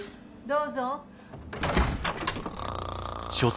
・どうぞ。